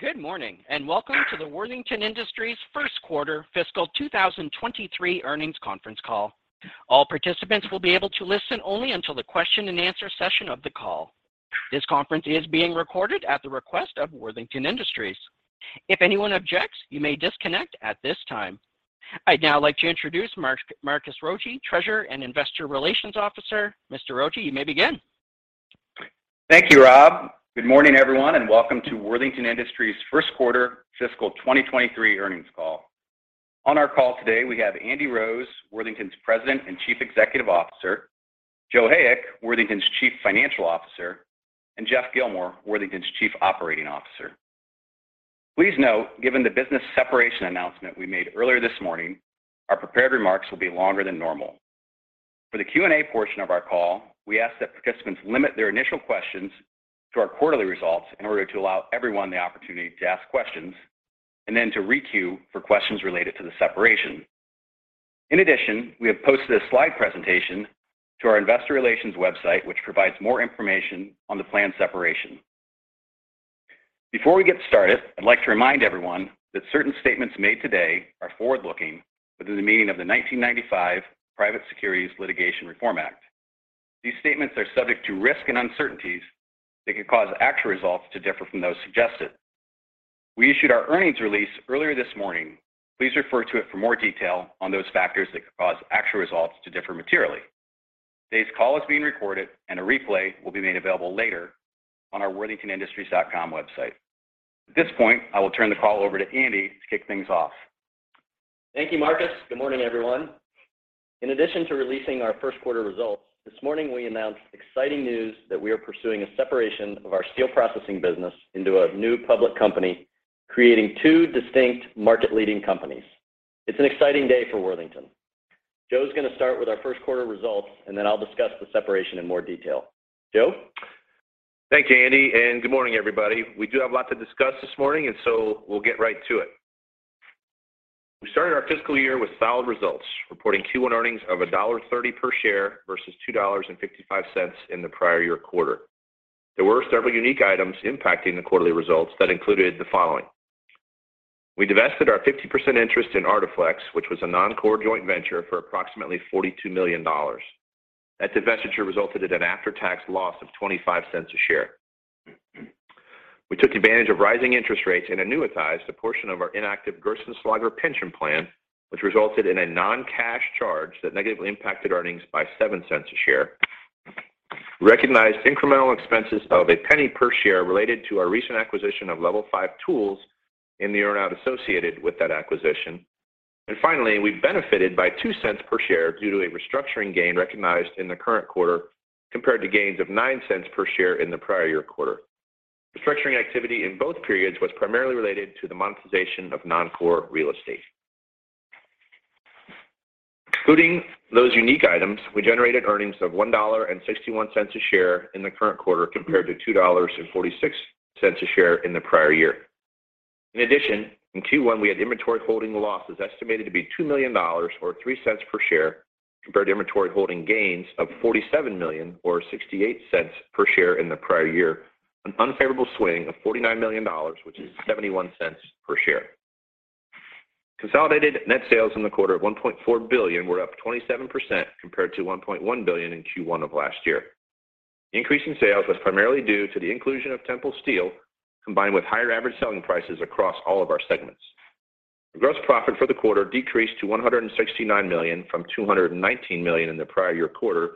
Good morning, and welcome to the Worthington Industries first quarter fiscal 2023 earnings conference call. All participants will be able to listen only until the question-and-answer session of the call. This conference is being recorded at the request of Worthington Industries. If anyone objects, you may disconnect at this time. I'd now like to introduce Marcus Rogier, Treasurer and Investor Relations Officer. Mr. Rogier, you may begin. Thank you, Rob. Good morning, everyone, and welcome to Worthington Industries first quarter fiscal 2023 earnings call. On our call today, we have Andy Rose, Worthington's President and Chief Executive Officer, Joe Hayek, Worthington's Chief Financial Officer, and Geoff Gilmore, Worthington's Chief Operating Officer. Please note, given the business separation announcement we made earlier this morning, our prepared remarks will be longer than normal. For the Q&A portion of our call, we ask that participants limit their initial questions to our quarterly results in order to allow everyone the opportunity to ask questions and then to re-queue for questions related to the separation. In addition, we have posted a slide presentation to our investor relations website, which provides more information on the planned separation. Before we get started, I'd like to remind everyone that certain statements made today are forward-looking within the meaning of the 1995 Private Securities Litigation Reform Act. These statements are subject to risk and uncertainties that could cause actual results to differ from those suggested. We issued our earnings release earlier this morning. Please refer to it for more detail on those factors that could cause actual results to differ materially. Today's call is being recorded, and a replay will be made available later on our worthingtonindustries.com website. At this point, I will turn the call over to Andy to kick things off. Thank you, Marcus. Good morning, everyone. In addition to releasing our first quarter results, this morning we announced exciting news that we are pursuing a separation of our steel processing business into a new public company, creating two distinct market-leading companies. It's an exciting day for Worthington. Joe is gonna start with our first quarter results, and then I'll discuss the separation in more detail. Joe? Thank you, Andy, and good morning, everybody. We do have a lot to discuss this morning, and so we'll get right to it. We started our fiscal year with solid results, reporting Q1 earnings of $1.30 per share versus $2.55 in the prior year quarter. There were several unique items impacting the quarterly results that included the following. We divested our 50% interest in ArtiFlex, which was a non-core joint venture for approximately $42 million. That divestiture resulted in an after-tax loss of $0.25 a share. We took advantage of rising interest rates and annuitized a portion of our inactive Gerstenslager pension plan, which resulted in a non-cash charge that negatively impacted earnings by $0.07 a share. Recognized incremental expenses of $0.01 per share related to our recent acquisition of Level5 Tools in the earn-out associated with that acquisition. Finally, we benefited by $0.02 per share due to a restructuring gain recognized in the current quarter compared to gains of $0.09 per share in the prior year quarter. The restructuring activity in both periods was primarily related to the monetization of non-core real estate. Excluding those unique items, we generated earnings of $1.61 a share in the current quarter compared to $2.46 a share in the prior year. In addition, in Q1, we had inventory holding losses estimated to be $2 million or three cents per share compared to inventory holding gains of $47 million or 68 cents per share in the prior year, an unfavorable swing of $49 million, which is 71 cents per share. Consolidated net sales in the quarter of $1.4 billion were up 27% compared to $1.1 billion in Q1 of last year. The increase in sales was primarily due to the inclusion of Tempel Steel, combined with higher average selling prices across all of our segments. The gross profit for the quarter decreased to $169 million from $219 million in the prior year quarter,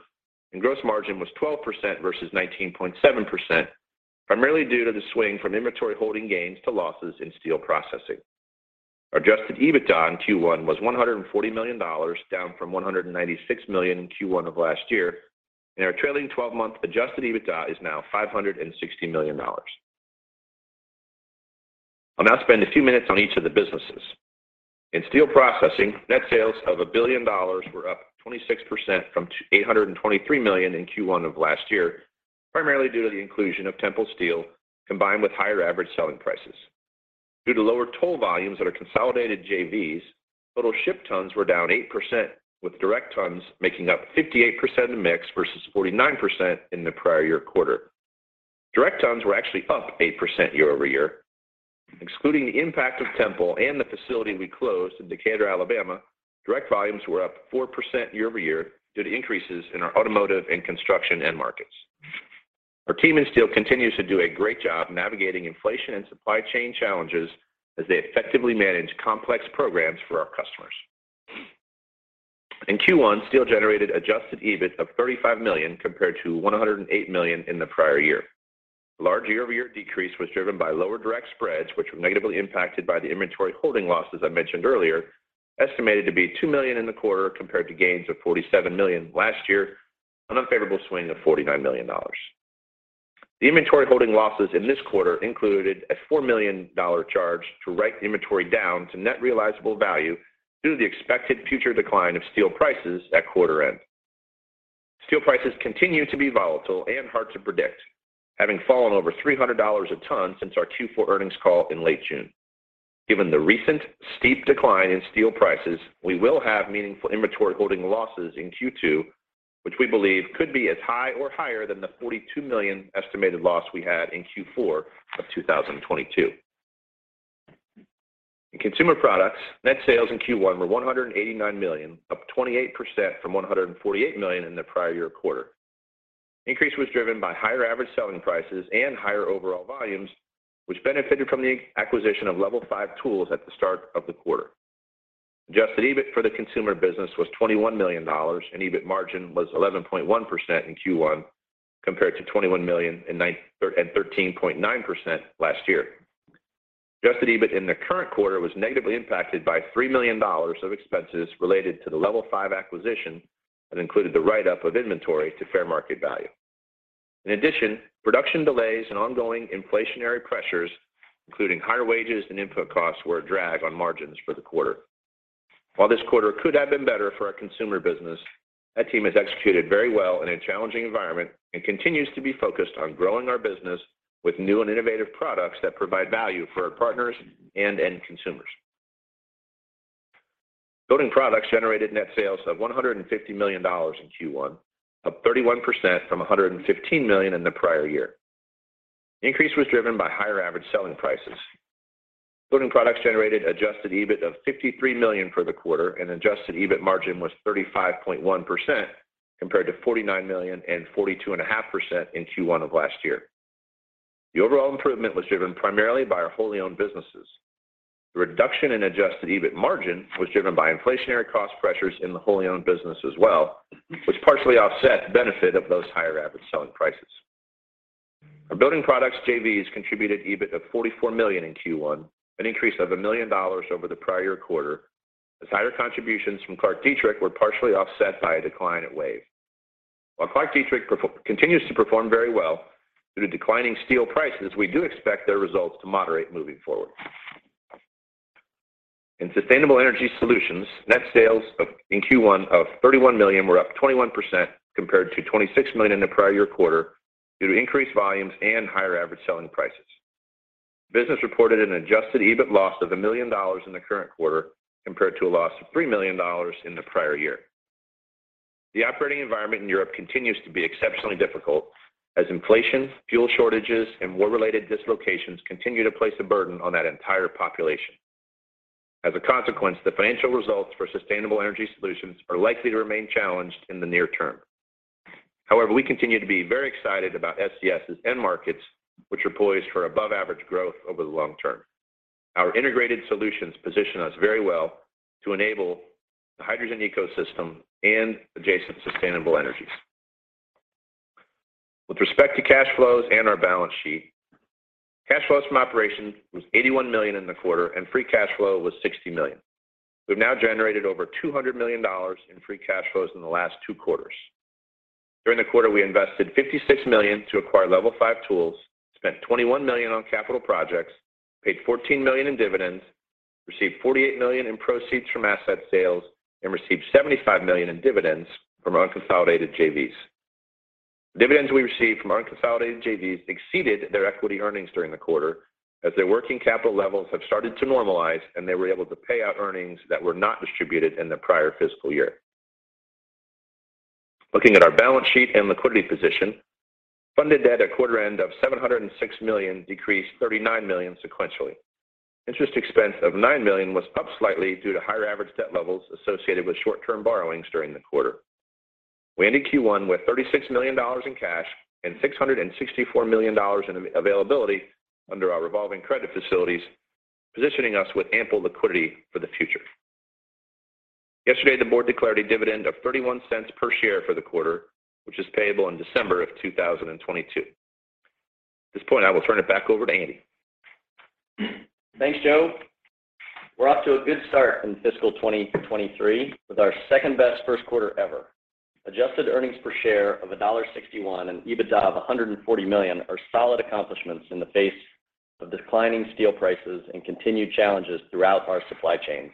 and gross margin was 12% versus 19.7%, primarily due to the swing from inventory holding gains to losses in steel processing. Our adjusted EBITDA in Q1 was $140 million, down from $196 million in Q1 of last year, and our trailing twelve-month adjusted EBITDA is now $560 million. I'll now spend a few minutes on each of the businesses. In steel processing, net sales of $1 billion were up 26% from eight hundred and twenty-three million in Q1 of last year, primarily due to the inclusion of Tempel Steel, combined with higher average selling prices. Due to lower toll volumes that are consolidated JVs, total shipped tons were down 8%, with direct tons making up 58% of the mix versus 49% in the prior year quarter. Direct tons were actually up 8% year over year. Excluding the impact of Tempel and the facility we closed in Decatur, Alabama, direct volumes were up 4% year-over-year due to increases in our automotive and construction end markets. Our team in Steel continues to do a great job navigating inflation and supply chain challenges as they effectively manage complex programs for our customers. In Q1, Steel generated adjusted EBIT of $35 million compared to $108 million in the prior year. The large year-over-year decrease was driven by lower direct spreads, which were negatively impacted by the inventory holding losses I mentioned earlier, estimated to be $2 million in the quarter compared to gains of $47 million last year on an unfavorable swing of $49 million. The inventory holding losses in this quarter included a $4 million charge to write the inventory down to net realizable value due to the expected future decline of steel prices at quarter end. Steel prices continue to be volatile and hard to predict, having fallen over $300 a ton since our Q4 earnings call in late June. Given the recent steep decline in steel prices, we will have meaningful inventory holding losses in Q2, which we believe could be as high or higher than the $42 million estimated loss we had in Q4 of 2022. In consumer products, net sales in Q1 were $189 million, up 28% from $148 million in the prior year quarter. Increase was driven by higher average selling prices and higher overall volumes, which benefited from the acquisition of Level5 Tools at the start of the quarter. Adjusted EBIT for the consumer business was $21 million, and EBIT margin was 11.1% in Q1 compared to $21 million and 13.9% last year. Adjusted EBIT in the current quarter was negatively impacted by $3 million of expenses related to the Level5 acquisition that included the write-up of inventory to fair market value. In addition, production delays and ongoing inflationary pressures, including higher wages and input costs, were a drag on margins for the quarter. While this quarter could have been better for our consumer business, that team has executed very well in a challenging environment and continues to be focused on growing our business with new and innovative products that provide value for our partners and end consumers. Building Products generated net sales of $150 million in Q1, up 31% from $115 million in the prior year. The increase was driven by higher average selling prices. Building Products generated adjusted EBIT of $53 million for the quarter, and adjusted EBIT margin was 35.1% compared to $49 million and 42.5% in Q1 of last year. The overall improvement was driven primarily by our wholly owned businesses. The reduction in adjusted EBIT margin was driven by inflationary cost pressures in the wholly owned business as well, which partially offset the benefit of those higher average selling prices. Our Building Products JVs contributed EBIT of $44 million in Q1, an increase of $1 million over the prior quarter, as higher contributions from ClarkDietrich were partially offset by a decline at WAVE. While ClarkDietrich continues to perform very well due to declining steel prices, we do expect their results to moderate moving forward. In Sustainable Energy Solutions, net sales in Q1 of $31 million were up 21% compared to $26 million in the prior year quarter due to increased volumes and higher average selling prices. Business reported an adjusted EBIT loss of $1 million in the current quarter compared to a loss of $3 million in the prior year. The operating environment in Europe continues to be exceptionally difficult as inflation, fuel shortages, and war-related dislocations continue to place a burden on that entire population. As a consequence, the financial results for Sustainable Energy Solutions are likely to remain challenged in the near term. However, we continue to be very excited about SES's end markets, which are poised for above-average growth over the long term. Our integrated solutions position us very well to enable the hydrogen ecosystem and adjacent sustainable energies. With respect to cash flows and our balance sheet, cash flows from operations was $81 million in the quarter, and free cash flow was $60 million. We've now generated over $200 million in free cash flows in the last two quarters. During the quarter, we invested $56 million to acquire Level5 Tools, spent $21 million on capital projects, paid $14 million in dividends, received $48 million in proceeds from asset sales, and received $75 million in dividends from unconsolidated JVs. Dividends we received from unconsolidated JVs exceeded their equity earnings during the quarter as their working capital levels have started to normalize, and they were able to pay out earnings that were not distributed in the prior fiscal year. Looking at our balance sheet and liquidity position, funded debt at quarter end of $706 million decreased $39 million sequentially. Interest expense of $9 million was up slightly due to higher average debt levels associated with short-term borrowings during the quarter. We ended Q1 with $36 million in cash and $664 million in availability under our revolving credit facilities, positioning us with ample liquidity for the future. Yesterday, the board declared a dividend of $0.31 per share for the quarter, which is payable in December 2022. At this point, I will turn it back over to Andy. Thanks, Joe. We're off to a good start in fiscal 2023 with our second-best first quarter ever. Adjusted earnings per share of $1.61 and EBITDA of $140 million are solid accomplishments in the face of declining steel prices and continued challenges throughout our supply chain.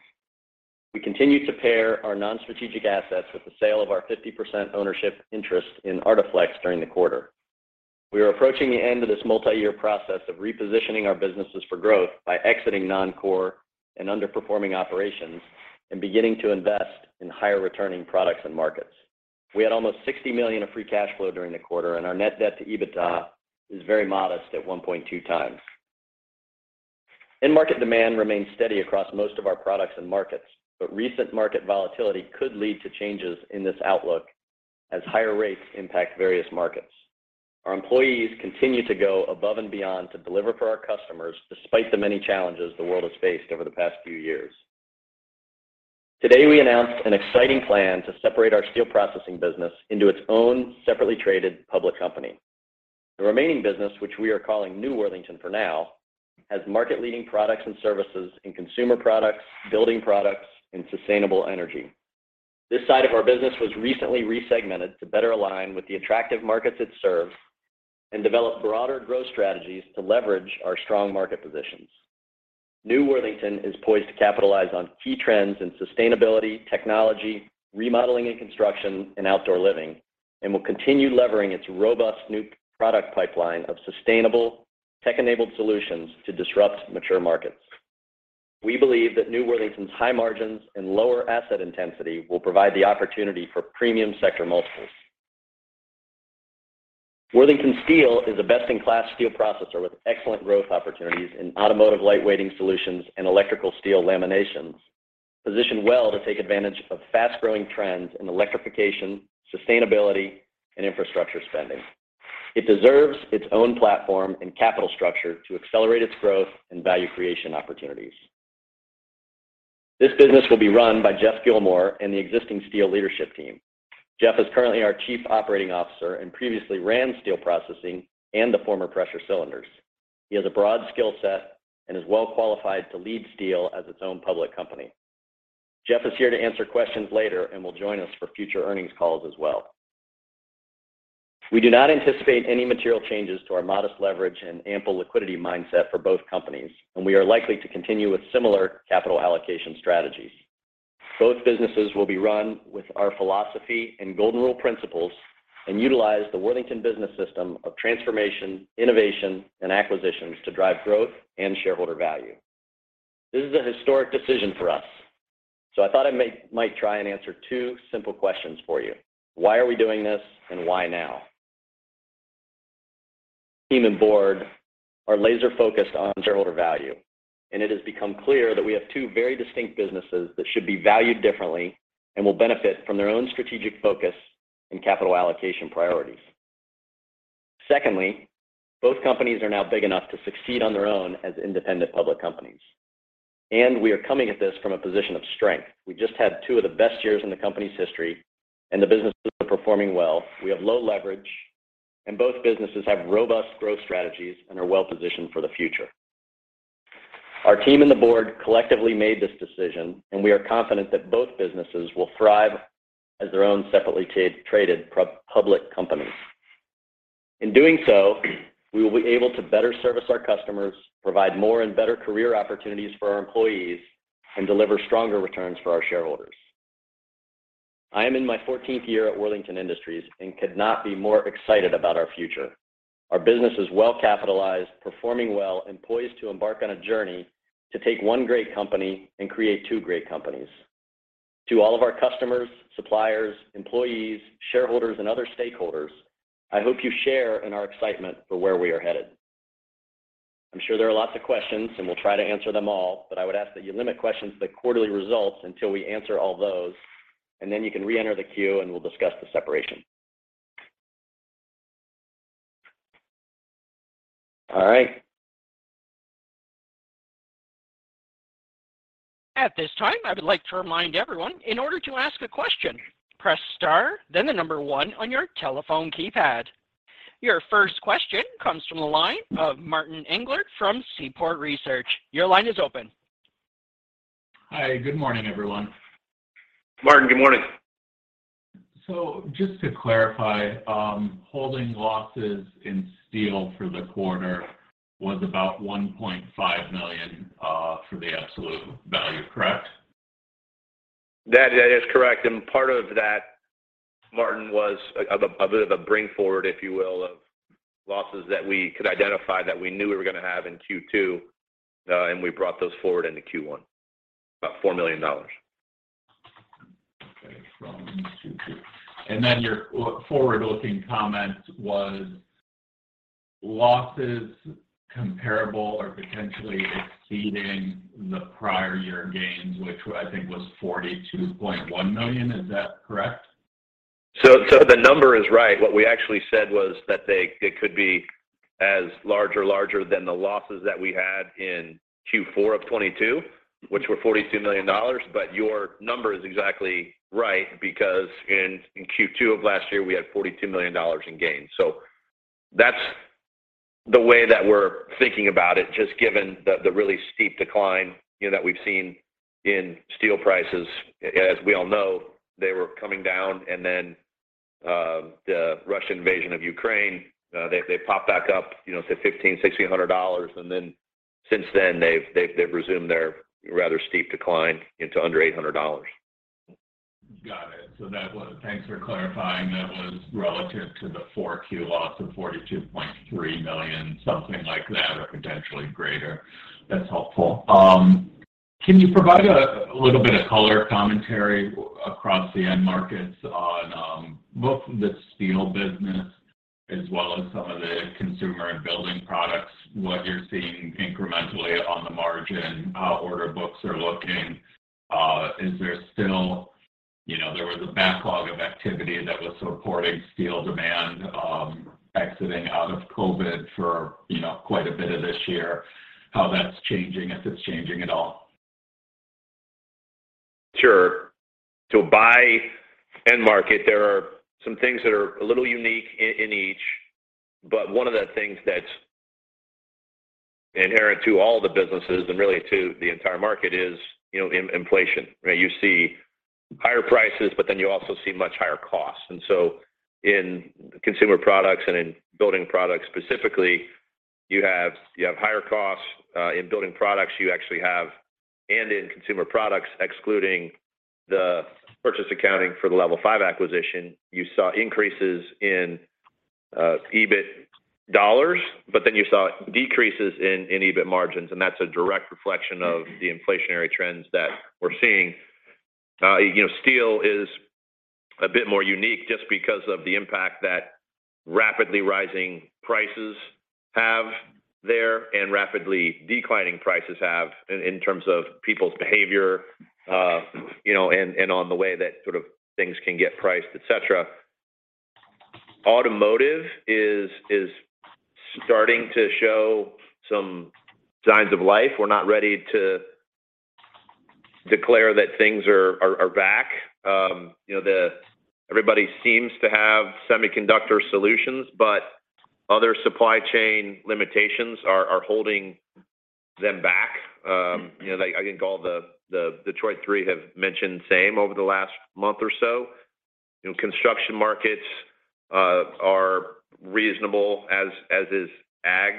We continue to pare our non-strategic assets with the sale of our 50% ownership interest in ArtiFlex during the quarter. We are approaching the end of this multi-year process of repositioning our businesses for growth by exiting non-core and underperforming operations and beginning to invest in higher-returning products and markets. We had almost $60 million of free cash flow during the quarter, and our net debt to EBITDA is very modest at 1.2 times. End market demand remains steady across most of our products and markets, but recent market volatility could lead to changes in this outlook as higher rates impact various markets. Our employees continue to go above and beyond to deliver for our customers despite the many challenges the world has faced over the past few years. Today, we announced an exciting plan to separate our steel processing business into its own separately traded public company. The remaining business, which we are calling New Worthington for now, has market-leading products and services in consumer products, building products, and sustainable energy. This side of our business was recently resegmented to better align with the attractive markets it serves and develop broader growth strategies to leverage our strong market positions. New Worthington is poised to capitalize on key trends in sustainability, technology, remodeling and construction, and outdoor living. It will continue levering its robust new product pipeline of sustainable tech-enabled solutions to disrupt mature markets. We believe that New Worthington's high margins and lower asset intensity will provide the opportunity for premium sector multiples. Worthington Steel is a best-in-class steel processor with excellent growth opportunities in automotive lightweighting solutions and electrical steel laminations, positioned well to take advantage of fast-growing trends in electrification, sustainability, and infrastructure spending. It deserves its own platform and capital structure to accelerate its growth and value creation opportunities. This business will be run by Geoff Gilmore and the existing steel leadership team. Geoff is currently our Chief Operating Officer and previously ran steel processing and the former pressure cylinders. He has a broad skill set and is well qualified to lead steel as its own public company. Geoff is here to answer questions later and will join us for future earnings calls as well. We do not anticipate any material changes to our modest leverage and ample liquidity mindset for both companies, and we are likely to continue with similar capital allocation strategies. Both businesses will be run with our philosophy and golden rule principles and utilize the Worthington Business System of transformation, innovation, and acquisitions to drive growth and shareholder value. This is a historic decision for us, so I thought I might try and answer two simple questions for you. Why are we doing this, and why now? Team and board are laser-focused on shareholder value, and it has become clear that we have two very distinct businesses that should be valued differently and will benefit from their own strategic focus and capital allocation priorities. Secondly, both companies are now big enough to succeed on their own as independent public companies. We are coming at this from a position of strength. We just had two of the best years in the company's history, and the businesses are performing well. We have low leverage, and both businesses have robust growth strategies and are well-positioned for the future. Our team and the board collectively made this decision, and we are confident that both businesses will thrive as their own separately traded public companies. In doing so, we will be able to better service our customers, provide more and better career opportunities for our employees, and deliver stronger returns for our shareholders. I am in my fourteenth year at Worthington Industries and could not be more excited about our future. Our business is well-capitalized, performing well, and poised to embark on a journey to take one great company and create two great companies. To all of our customers, suppliers, employees, shareholders, and other stakeholders, I hope you share in our excitement for where we are headed. I'm sure there are lots of questions, and we'll try to answer them all, but I would ask that you limit questions to the quarterly results until we answer all those, and then you can reenter the queue, and we'll discuss the separation. All right. At this time, I would like to remind everyone, in order to ask a question, press star, then the number one on your telephone keypad. Your first question comes from the line of Martin Englert from Seaport Research Partners. Your line is open. Hi. Good morning, everyone. Martin, good morning. Just to clarify, holding losses in steel for the quarter was about $1.5 million for the absolute value, correct? That is correct. Part of that, Martin, was a bit of a bring forward, if you will, of losses that we could identify that we knew we were gonna have in Q2, and we brought those forward into Q1, about $4 million. Okay. From Q2. Your forward-looking comment was losses comparable or potentially exceeding the prior year gains, which I think was $42.1 million. Is that correct? The number is right. What we actually said was that it could be as large or larger than the losses that we had in Q4 of 2022, which were $42 million. Your number is exactly right because in Q2 of last year, we had $42 million in gains. That's the way that we're thinking about it, just given the really steep decline, you know, that we've seen in steel prices. As we all know, they were coming down, and then the Russian invasion of Ukraine, they popped back up, you know, to $1,500-$1,600. Then since then, they've resumed their rather steep decline into under $800. Got it. Thanks for clarifying. That was relative to the 4Q loss of $42.3 million, something like that, or potentially greater. That's helpful. Can you provide a little bit of color commentary across the end markets on both the steel business as well as some of the consumer and building products. What you're seeing incrementally on the margin, how order books are looking? Is there still. You know, there was a backlog of activity that was supporting steel demand exiting out of COVID for, you know, quite a bit of this year. How that's changing, if it's changing at all? Sure. By end market, there are some things that are a little unique in each. One of the things that's inherent to all the businesses and really to the entire market is, you know, inflation, right? You see higher prices, but then you also see much higher costs. In consumer products and in building products specifically. You have higher costs in building products. You actually have, and in consumer products, excluding the purchase accounting for the Level 5 acquisition, you saw increases in EBIT dollars, but then you saw decreases in EBIT margins. That's a direct reflection of the inflationary trends that we're seeing. Steel is a bit more unique just because of the impact that rapidly rising prices have there and rapidly declining prices have in terms of people's behavior, and on the way that sort of things can get priced, et cetera. Automotive is starting to show some signs of life. We're not ready to declare that things are back. Everybody seems to have semiconductor solutions, but other supply chain limitations are holding them back. You know, I think all the Detroit Three have mentioned same over the last month or so. You know, construction markets are reasonable as is ag.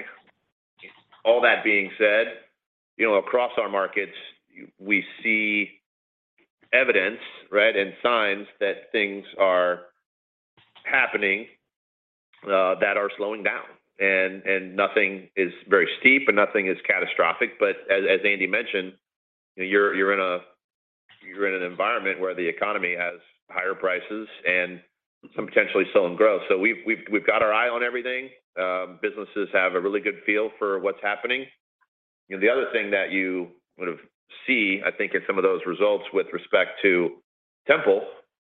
All that being said, you know, across our markets, we see evidence, right, and signs that things are happening that are slowing down and nothing is very steep, and nothing is catastrophic. As Andy mentioned, you know, you're in an environment where the economy has higher prices and some potentially slowing growth. We've got our eye on everything. Businesses have a really good feel for what's happening. You know, the other thing that you would see, I think in some of those results with respect to Tempel,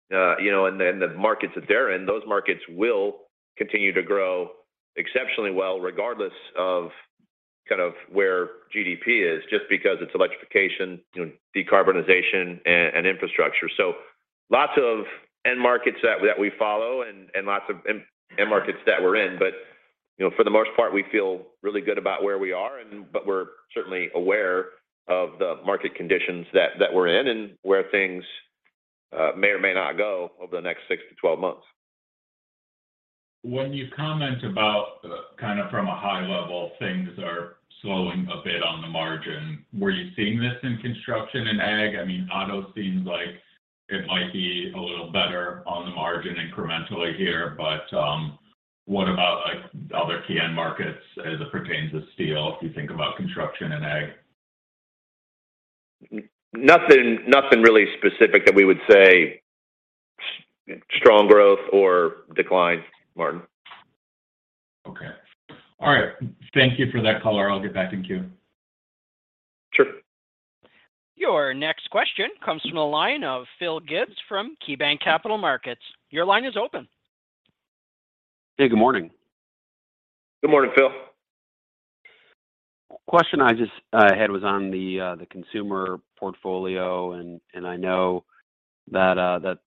you know, and then the markets at their end, those markets will continue to grow exceptionally well regardless of kind of where GDP is, just because it's electrification, you know, decarbonization and infrastructure. So lots of end markets that we follow and lots of end markets that we're in. You know, for the most part, we feel really good about where we are. We're certainly aware of the market conditions that we're in and where things may or may not go over the next six to 12 months. When you comment about, kind of from a high level, things are slowing a bit on the margin, were you seeing this in construction and ag? I mean, auto seems like it might be a little better on the margin incrementally here, but, what about like other key end markets as it pertains to steel if you think about construction and ag? Nothing really specific that we would say strong growth or decline, Martin. Okay. All right. Thank you for that color. I'll get back in queue. Sure. Your next question comes from the line of Phil Gibbs from KeyBanc Capital Markets. Your line is open. Hey, good morning. Good morning, Phil. Question I just had was on the consumer portfolio, and I know that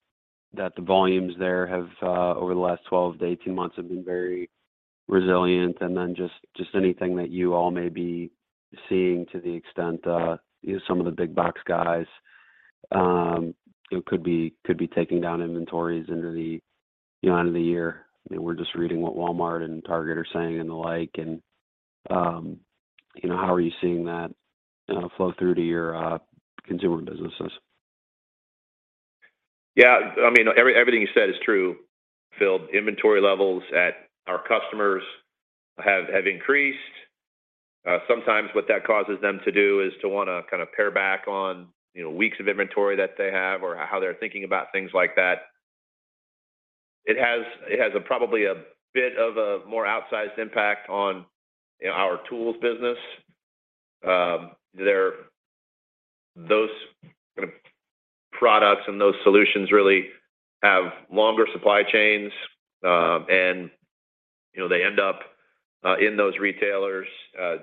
the volumes there have over the last 12-18 months been very resilient. Then just anything that you all may be seeing to the extent you know some of the big box guys you know could be taking down inventories into the beyond the year. You know, we're just reading what Walmart and Target are saying and the like, and you know how are you seeing that flow through to your consumer businesses? Yeah, I mean, everything you said is true, Phil. Inventory levels at our customers have increased. Sometimes what that causes them to do is to wanna kind of pare back on, you know, weeks of inventory that they have or how they're thinking about things like that. It has probably a bit of a more outsized impact on our tools business. Those kind of products and those solutions really have longer supply chains, and, you know, they end up in those retailers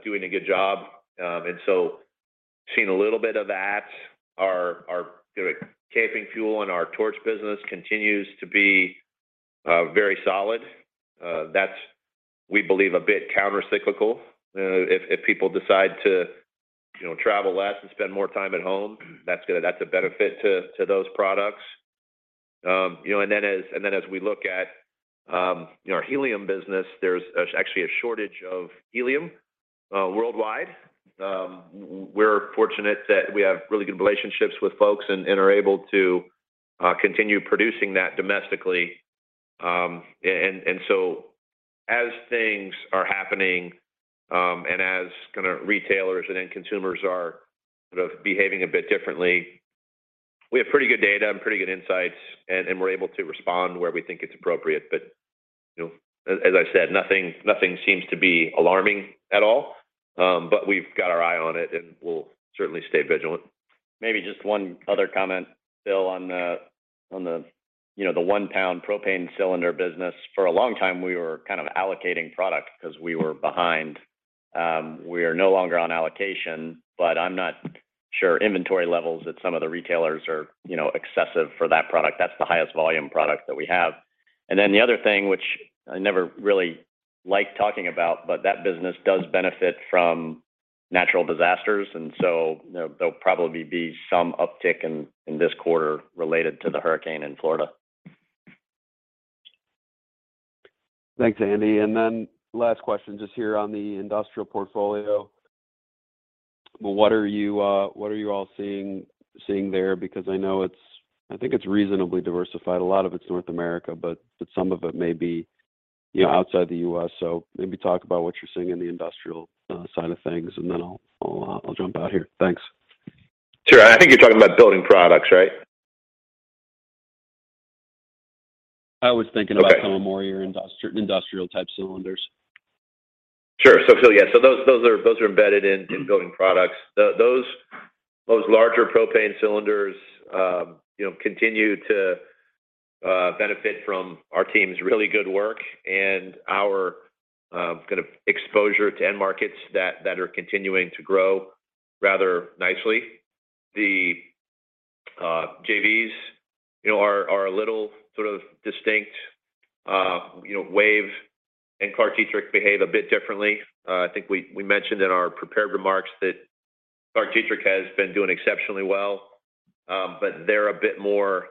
doing a good job. Seeing a little bit of that. Our, you know, camping fuel and our torch business continues to be very solid. That's, we believe, a bit countercyclical. If people decide to, you know, travel less and spend more time at home, that's a benefit to those products. You know, then as we look at our helium business, there's actually a shortage of helium worldwide. We're fortunate that we have really good relationships with folks and are able to continue producing that domestically. So as things are happening, and as kinda retailers and end consumers are sort of behaving a bit differently, we have pretty good data and pretty good insights and we're able to respond where we think it's appropriate. You know, as I said, nothing seems to be alarming at all. We've got our eye on it, and we'll certainly stay vigilant. Maybe just one other comment, Phil, on the, you know, the one-pound propane cylinder business. For a long time, we were kind of allocating product because we were behind. We are no longer on allocation, but I'm not sure inventory levels at some of the retailers are, you know, excessive for that product. That's the highest volume product that we have. The other thing, which I never really like talking about, but that business does benefit from natural disasters, and so, you know, there'll probably be some uptick in this quarter related to the hurricane in Florida. Thanks, Andy. Then last question just here on the industrial portfolio. Well, what are you all seeing there? Because I know it's. I think it's reasonably diversified. A lot of it's North America, but some of it may be, you know, outside the U.S. Maybe talk about what you're seeing in the industrial side of things, and then I'll jump out here. Thanks. Sure. I think you're talking about building products, right? I was thinking about. Okay. ....more your industrial type cylinders. Sure. Yeah. Those are embedded in building products. Those larger propane cylinders, you know, continue to benefit from our team's really good work and our kind of exposure to end markets that are continuing to grow rather nicely. The JVs, you know, are a little sort of distinct. You know, WAVE and ClarkDietrich behave a bit differently. I think we mentioned in our prepared remarks that ClarkDietrich has been doing exceptionally well, but they're a bit more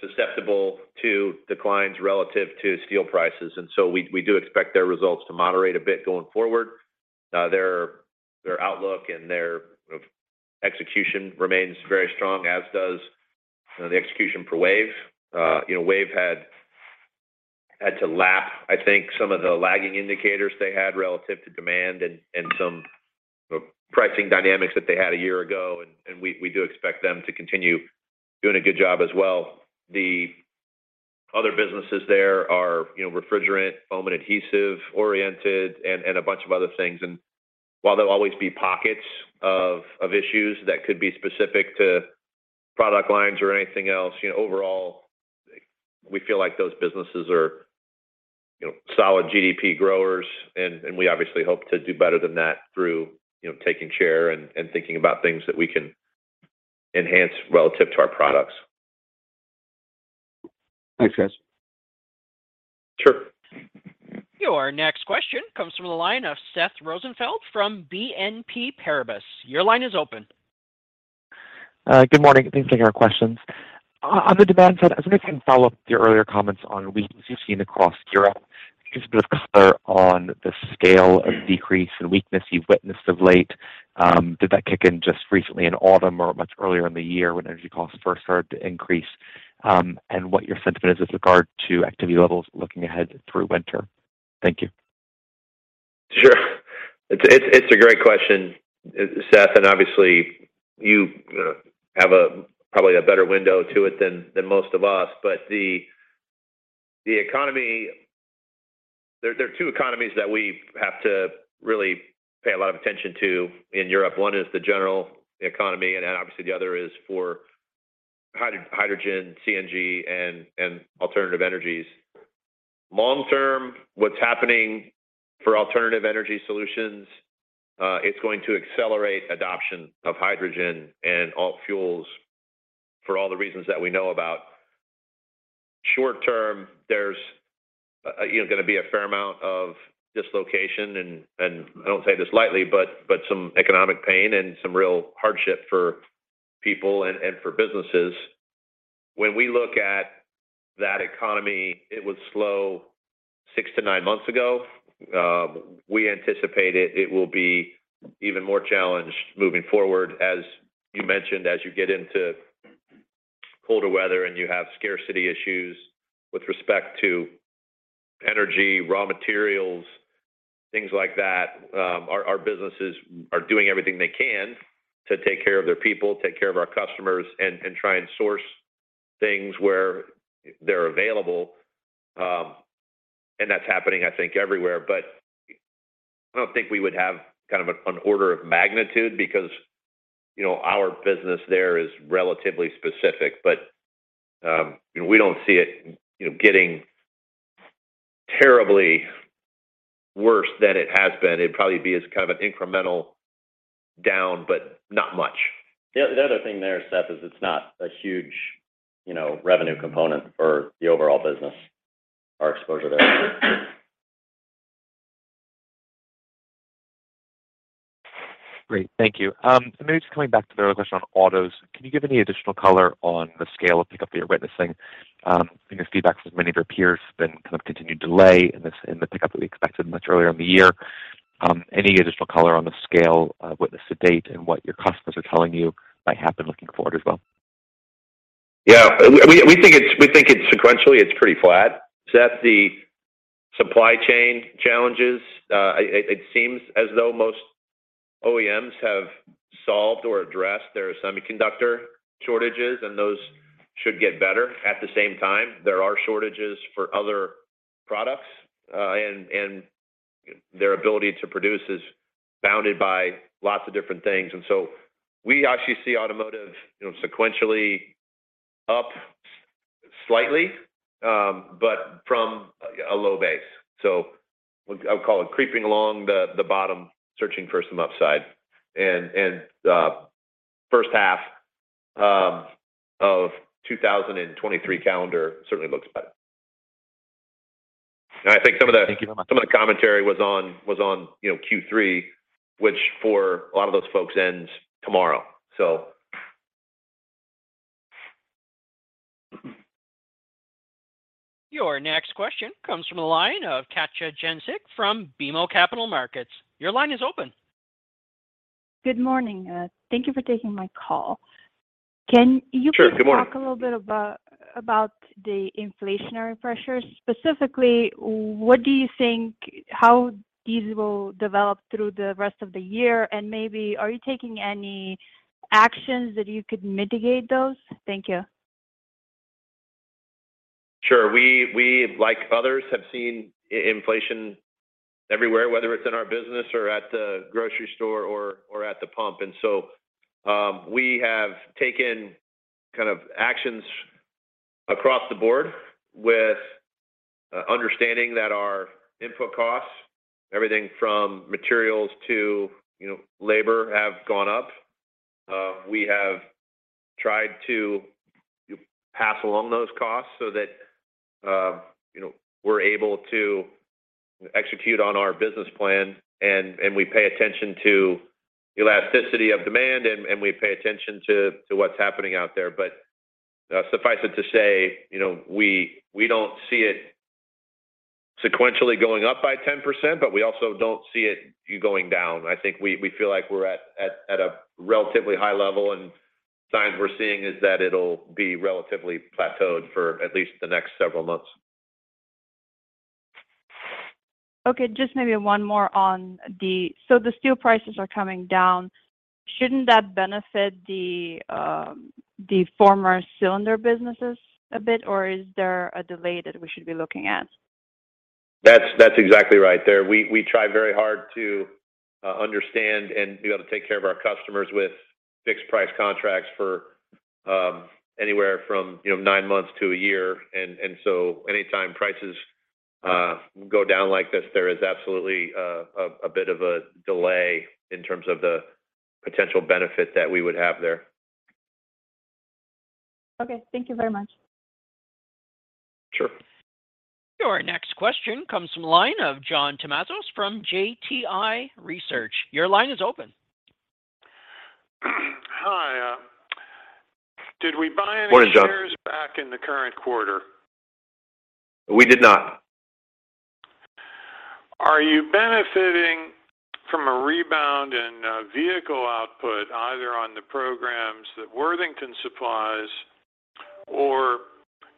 susceptible to declines relative to steel prices, and we do expect their results to moderate a bit going forward. Their outlook and their execution remains very strong, as does the execution for WAVE. You know, WAVE had to lap, I think, some of the lagging indicators they had relative to demand and some pricing dynamics that they had a year ago, and we do expect them to continue doing a good job as well. The other businesses there are, you know, refrigerant, foam, and adhesive-oriented and a bunch of other things. While there'll always be pockets of issues that could be specific to product lines or anything else, you know, overall we feel like those businesses are, you know, solid GDP growers, and we obviously hope to do better than that through, you know, taking share and thinking about things that we can enhance relative to our products. Thanks, guys. Sure. Your next question comes from the line of Seth Rosenfeld from BNP Paribas. Your line is open. Good morning. Thanks for taking our questions. On the demand side, I was gonna kind of follow up your earlier comments on weakness you've seen across Europe. Can you just give a bit of color on the scale of decrease and weakness you've witnessed of late? Did that kick in just recently in autumn or much earlier in the year when energy costs first started to increase? What your sentiment is with regard to activity levels looking ahead through winter? Thank you. Sure. It's a great question, Seth, and obviously you have probably a better window to it than most of us. The economy. There are two economies that we have to really pay a lot of attention to in Europe. One is the general economy, and then obviously the other is for hydrogen, CNG, and alternative energies. Long term, what's happening for alternative energy solutions. It's going to accelerate adoption of hydrogen and alt fuels for all the reasons that we know about. Short term, there's, you know, gonna be a fair amount of dislocation and I don't say this lightly, but some economic pain and some real hardship for people and for businesses. When we look at that economy, it was slow 6-9 months ago. We anticipate it will be even more challenged moving forward, as you mentioned, as you get into colder weather and you have scarcity issues with respect to energy, raw materials, things like that. Our businesses are doing everything they can to take care of their people, take care of our customers, and try and source things where they're available. That's happening, I think, everywhere. I don't think we would have kind of an order of magnitude because, you know, our business there is relatively specific. You know, we don't see it, you know, getting terribly worse than it has been. It'd probably be as kind of an incremental down, but not much. The other thing there, Seth, is it's not a huge, you know, revenue component for the overall business, our exposure there. Great. Thank you. Maybe just coming back to the other question on autos. Can you give any additional color on the scale of pickup that you're witnessing? I think there's feedback from many of your peers been kind of continued delay in the pickup that we expected much earlier in the year. Any additional color on the scale of witnessing to date and what your customers are telling you might happen looking forward as well? Yeah. We think it's sequentially pretty flat, Seth. The supply chain challenges, it seems as though most OEMs have solved or addressed their semiconductor shortages, and those should get better. At the same time, there are shortages for other products, and their ability to produce is bounded by lots of different things. We actually see automotive, you know, sequentially up slightly, but from a low base. I'll call it creeping along the bottom, searching for some upside. First half of 2023 calendar certainly looks better. I think some of the- Thank you very much. Some of the commentary was on, you know, Q3, which for a lot of those folks ends tomorrow, so. Your next question comes from the line of Katja Jancic from BMO Capital Markets. Your line is open. Good morning. Thank you for taking my call. Can you please? Sure. Good morning. Talk a little bit about the inflationary pressures? Specifically, what do you think how these will develop through the rest of the year? Maybe are you taking any actions that you could mitigate those? Thank you. Sure. We, like others, have seen inflation everywhere, whether it's in our business or at the grocery store or at the pump. We have taken kind of actions across the board with understanding that our input costs, everything from materials to, you know, labor, have gone up. We have tried to pass along those costs so that, you know, we're able to execute on our business plan. We pay attention to elasticity of demand and we pay attention to what's happening out there. Suffice it to say, you know, we don't see it sequentially going up by 10%, but we also don't see it going down. I think we feel like we're at a relatively high level, and signs we're seeing is that it'll be relatively plateaued for at least the next several months. The steel prices are coming down. Shouldn't that benefit the former cylinder businesses a bit, or is there a delay that we should be looking at? That's exactly right there. We try very hard to understand and be able to take care of our customers with fixed price contracts for anywhere from, you know, nine months to a year. Anytime prices go down like this, there is absolutely a bit of a delay in terms of the potential benefit that we would have there. Okay. Thank you very much. Sure. Your next question comes from line of John Tumazos from John Tumazos Very Independent Research. Your line is open. Hi. Did we buy any- Morning, John ....shares back in the current quarter? We did not. Are you benefiting from a rebound in vehicle output, either on the programs that Worthington supplies or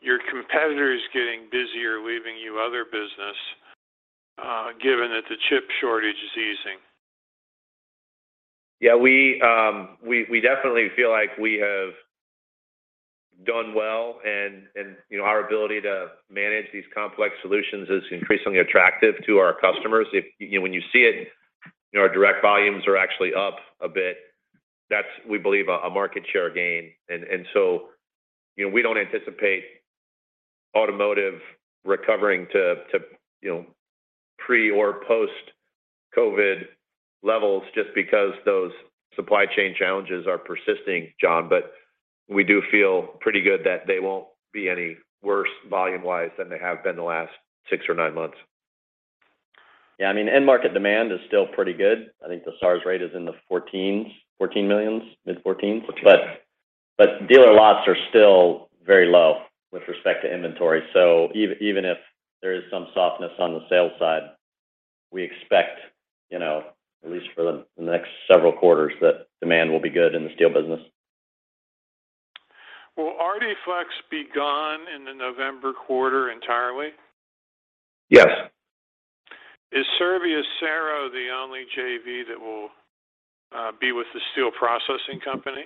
your competitors getting busier, leaving you other business, given that the chip shortage is easing? Yeah. We definitely feel like we have done well and you know, our ability to manage these complex solutions is increasingly attractive to our customers. When you see it, you know, our direct volumes are actually up a bit. That's, we believe, a market share gain. You know, we don't anticipate automotive recovering to you know, pre or post-COVID levels just because those supply chain challenges are persisting, John. We do feel pretty good that they won't be any worse volume-wise than they have been the last six or nine months. Yeah. I mean, end market demand is still pretty good. I think the SAAR rate is in the 14s, 14 million, mid-14s. 14, yeah. Dealer lots are still very low with respect to inventory. Even if there is some softness on the sales side, we expect, you know, at least for the next several quarters, that demand will be good in the steel business. Will ArtiFlex be gone in the November quarter entirely? Yes. Is Serviacero the only JV that will be with the steel processing company?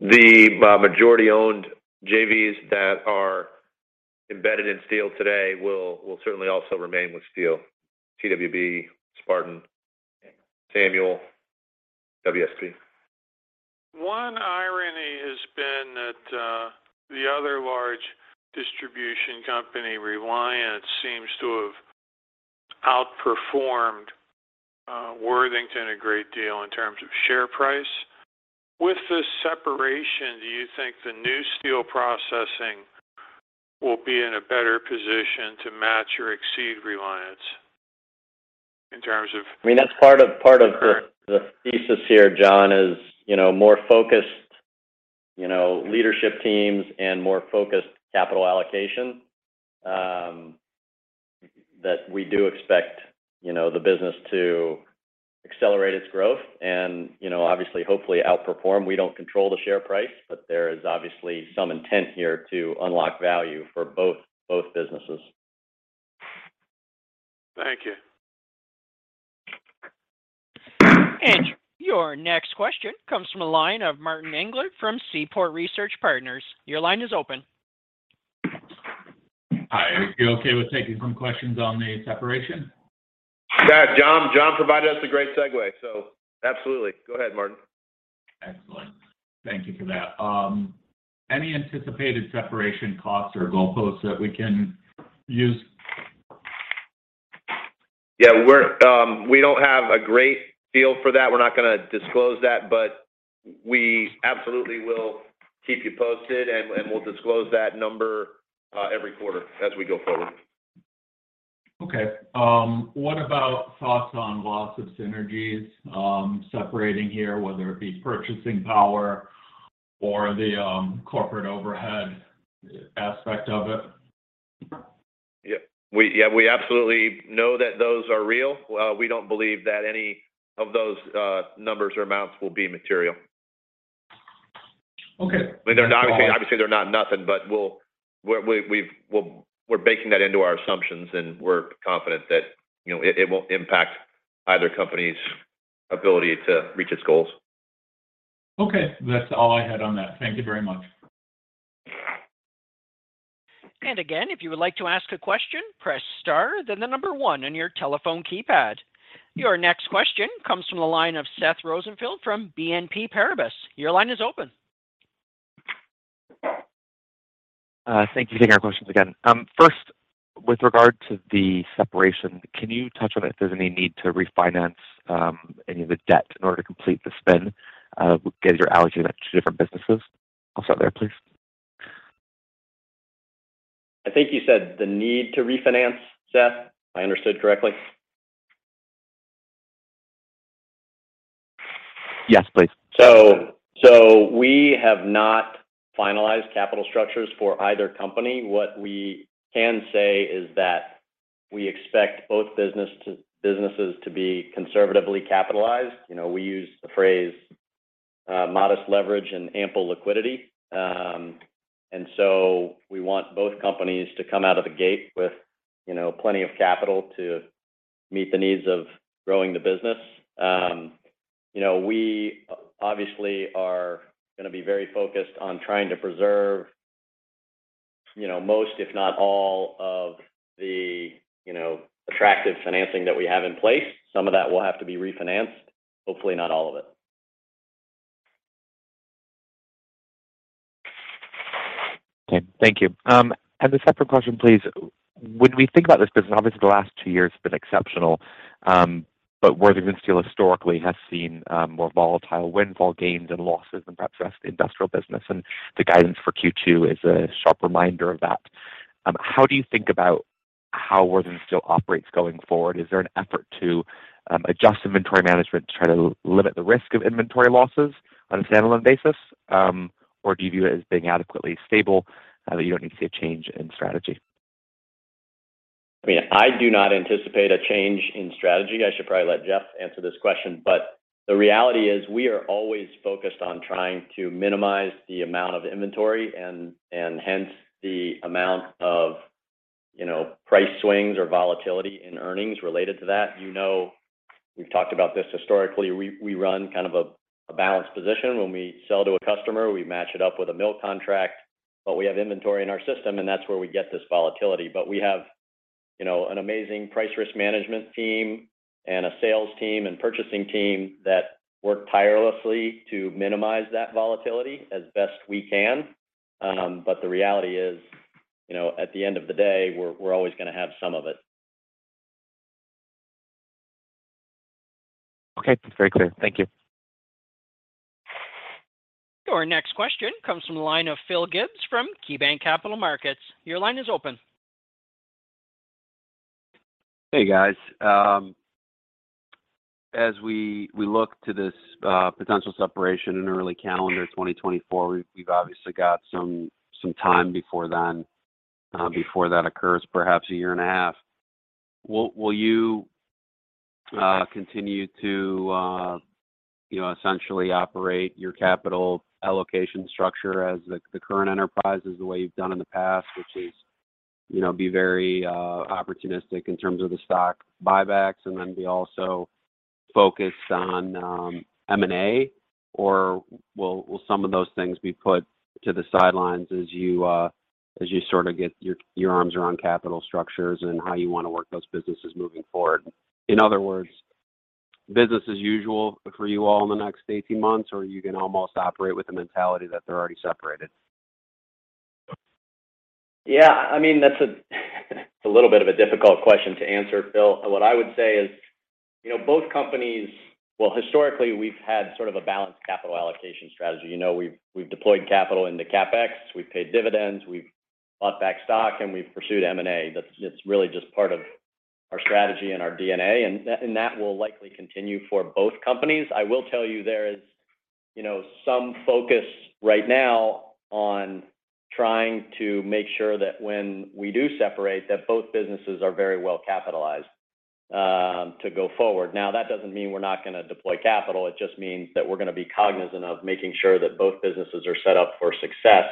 The majority-owned JVs that are embedded in steel today will certainly also remain with steel. TWB, Spartan, Samuel, WSP. One irony has been that the other large distribution company, Reliance, seems to have outperformed Worthington a great deal in terms of share price. With this separation, do you think the new steel processing will be in a better position to match or exceed Reliance in terms of? I mean, that's part of the thesis here, John, you know, more focused leadership teams and more focused capital allocation that we do expect, you know, the business to accelerate its growth and, you know, obviously, hopefully outperform. We don't control the share price, but there is obviously some intent here to unlock value for both businesses. Thank you. Your next question comes from a line of Martin Englert from Seaport Research Partners. Your line is open. Hi. Are you okay with taking some questions on the separation? Yeah. John provided us a great segue, so absolutely. Go ahead, Martin. Excellent. Thank you for that. Any anticipated separation costs or goalposts that we can use? Yeah, we don't have a great feel for that. We're not gonna disclose that, but we absolutely will keep you posted, and we'll disclose that number every quarter as we go forward. Okay. What about thoughts on loss of synergies separating here, whether it be purchasing power or the corporate overhead aspect of it? Yeah, we absolutely know that those are real. We don't believe that any of those numbers or amounts will be material. Okay. I mean, obviously they're not nothing, but we're baking that into our assumptions, and we're confident that, you know, it won't impact either company's ability to reach its goals. Okay. That's all I had on that. Thank you very much. Again, if you would like to ask a question, press star, then the number one on your telephone keypad. Your next question comes from the line of Seth Rosenfeld from BNP Paribas. Your line is open. Thank you for taking our questions again. First, with regard to the separation, can you touch on if there's any need to refinance, any of the debt in order to complete the spin, as you're allocating that to different businesses? I'll stop there, please. I think you said the need to refinance, Seth, if I understood correctly. Yes, please. We have not finalized capital structures for either company. What we can say is that we expect both businesses to be conservatively capitalized. You know, we use the phrase, modest leverage and ample liquidity. We want both companies to come out of the gate with, you know, plenty of capital to meet the needs of growing the business. You know, we obviously are gonna be very focused on trying to preserve, you know, most, if not all of the, you know, attractive financing that we have in place. Some of that will have to be refinanced, hopefully not all of it. Okay. Thank you. A separate question, please. When we think about this business, obviously the last two years have been exceptional, but Worthington Steel historically has seen more volatile windfall gains and losses than perhaps the rest of the industrial business, and the guidance for Q2 is a sharp reminder of that. How do you think about how Worthington Steel operates going forward? Is there an effort to adjust inventory management to try to limit the risk of inventory losses on a standalone basis? Do you view it as being adequately stable, that you don't need to see a change in strategy? I mean, I do not anticipate a change in strategy. I should probably let Geoff answer this question. The reality is we are always focused on trying to minimize the amount of inventory and hence the amount of, you know, price swings or volatility in earnings related to that. You know, we've talked about this historically. We run kind of a balanced position. When we sell to a customer, we match it up with a mill contract, but we have inventory in our system, and that's where we get this volatility. We have, you know, an amazing price risk management team and a sales team and purchasing team that work tirelessly to minimize that volatility as best we can. The reality is, you know, at the end of the day, we're always gonna have some of it. Okay. That's very clear. Thank you. Your next question comes from the line of Phil Gibbs from KeyBanc Capital Markets. Your line is open. Hey, guys. As we look to this potential separation in early calendar 2024, we've obviously got some time before then, before that occurs, perhaps a year and a half. Will you continue to, you know, essentially operate your capital allocation structure as the current enterprise is the way you've done in the past, which is, you know, be very opportunistic in terms of the stock buybacks and then be also focused on M&A? Or will some of those things be put to the sidelines as you sort of get your arms around capital structures and how you wanna work those businesses moving forward? In other words, business as usual for you all in the next 18 months, or you can almost operate with the mentality that they're already separated? Yeah, I mean, that's a little bit of a difficult question to answer, Phil. What I would say is, you know, both companies. Well, historically, we've had sort of a balanced capital allocation strategy. You know, we've deployed capital into CapEx, we've paid dividends, we've bought back stock, and we've pursued M&A. That's. It's really just part of our strategy and our DNA, and that will likely continue for both companies. I will tell you there is, you know, some focus right now on trying to make sure that when we do separate, that both businesses are very well capitalized to go forward. Now, that doesn't mean we're not gonna deploy capital. It just means that we're gonna be cognizant of making sure that both businesses are set up for success.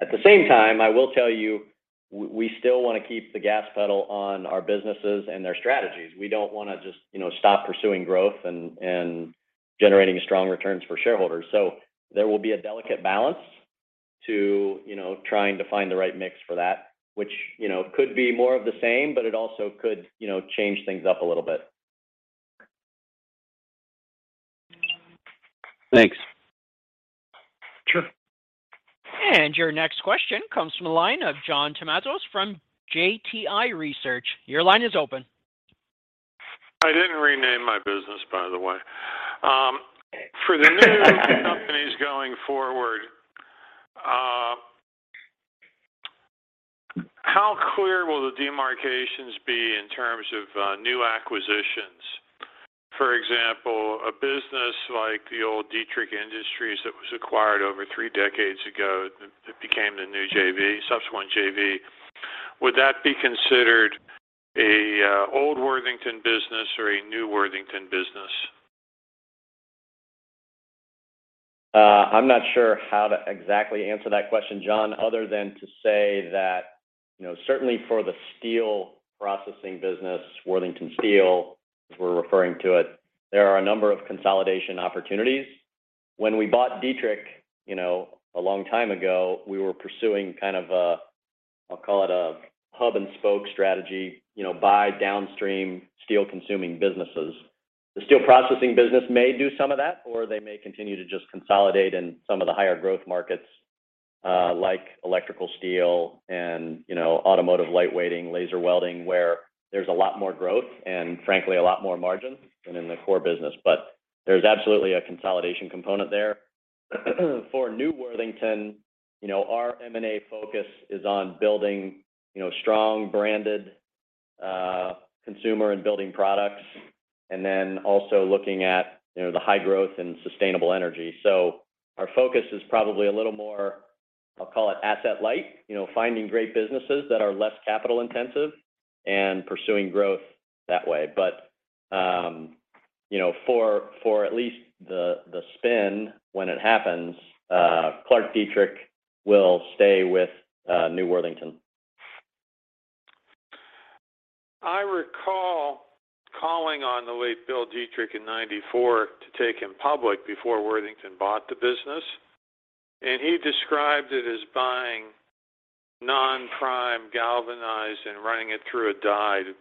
At the same time, I will tell you, we still wanna keep the gas pedal on our businesses and their strategies. We don't wanna just, you know, stop pursuing growth and generating strong returns for shareholders. There will be a delicate balance to, you know, trying to find the right mix for that, which, you know, could be more of the same, but it also could, you know, change things up a little bit. Thanks. Sure. Your next question comes from the line of John Tumazos from JTI Research. Your line is open. I didn't rename my business, by the way. For the new companies going forward, how clear will the demarcations be in terms of new acquisitions? For example, a business like the old Dietrich Industries that was acquired over three decades ago that became the new JV, subsequent JV. Would that be considered an old Worthington business or a new Worthington business? I'm not sure how to exactly answer that question, John, other than to say that, you know, certainly for the steel processing business, Worthington Steel, as we're referring to it, there are a number of consolidation opportunities. When we bought Dietrich, you know, a long time ago, we were pursuing kind of a, I'll call it a hub and spoke strategy, you know, buy downstream steel consuming businesses. The steel processing business may do some of that, or they may continue to just consolidate in some of the higher growth markets, like electrical steel and, you know, automotive lightweighting, laser welding, where there's a lot more growth and frankly a lot more margin than in the core business. There's absolutely a consolidation component there. For New Worthington, you know, our M&A focus is on building, you know, strong branded consumer and building products, and then also looking at, you know, the high growth and sustainable energy. Our focus is probably a little more, I'll call it asset light. You know, finding great businesses that are less capital intensive and pursuing growth that way. You know, for at least the spin when it happens, ClarkDietrich will stay with New Worthington. I recall calling on the late Bill Dietrich in 1994 to take him public before Worthington bought the business, and he described it as buying non-prime galvanized and running it through a die to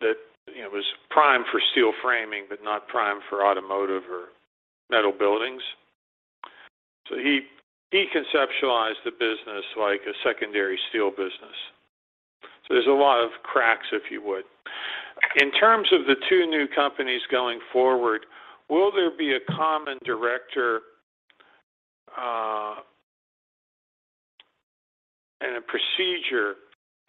that, you know, was prime for steel framing but not prime for automotive or metal buildings. He conceptualized the business like a secondary steel business. There's a lot of cracks, if you would. In terms of the two new companies going forward, will there be a common director and a procedure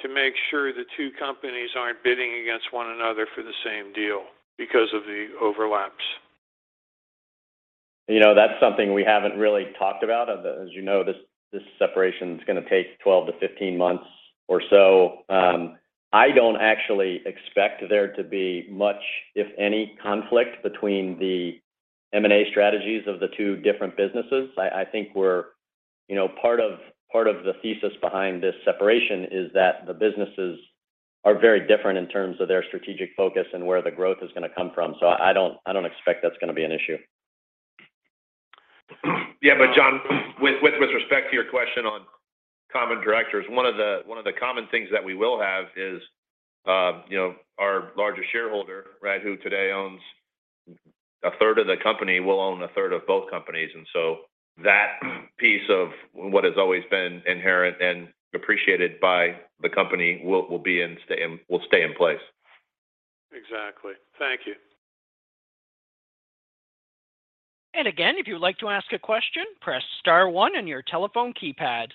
to make sure the two companies aren't bidding against one another for the same deal because of the overlaps? You know, that's something we haven't really talked about. As you know, this separation is gonna take 12-15 months or so. I don't actually expect there to be much, if any, conflict between the M&A strategies of the two different businesses. I think you know, part of the thesis behind this separation is that the businesses are very different in terms of their strategic focus and where the growth is gonna come from. I don't expect that's gonna be an issue. Yeah, John, with respect to your question on common directors, one of the common things that we will have is, you know, our largest shareholder, right, who today owns a third of the company, will own a third of both companies. That piece of what has always been inherent and appreciated by the company will stay in place. Exactly. Thank you. Again, if you would like to ask a question, press star one on your telephone keypad.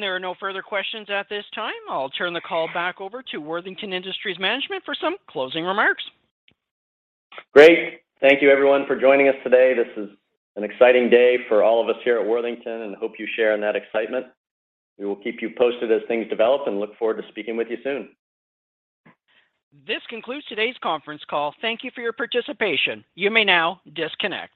There are no further questions at this time. I'll turn the call back over to Worthington Industries management for some closing remarks. Great. Thank you everyone for joining us today. This is an exciting day for all of us here at Worthington, and I hope you share in that excitement. We will keep you posted as things develop and look forward to speaking with you soon. This concludes today's conference call. Thank you for your participation. You may now disconnect.